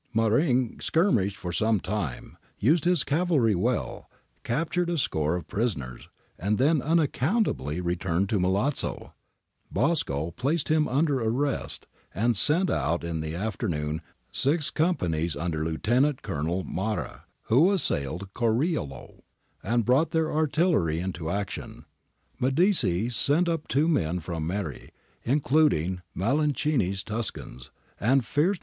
Maringh skirmished for some time, used his cavalry well, captured a score of prisoners, and then unaccountably returned to Milazzo. Bosco placed him under arrest and sent out in the after noon six companies under Lieutenant Colonel Marra, who assailed Coriolo, and brought their artillery into ^ Forbice, July 23 and 24, i860, letters from seat of war. Zirilli, 18 22, 35 42, docs.